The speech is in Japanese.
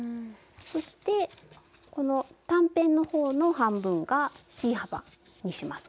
そしてこの短辺の方の半分がＣ幅にしますね。